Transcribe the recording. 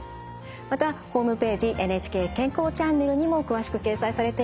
またホームページ「ＮＨＫ健康チャンネル」にも詳しく掲載されています。